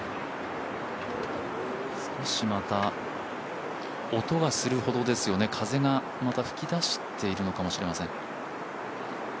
少しまた音がするほどですよね、風がまた吹きだしているのかもしれません。